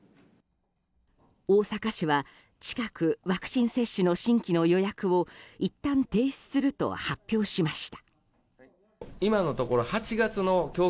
大阪市は近くワクチン接種の新規の予約をいったん停止すると発表しました。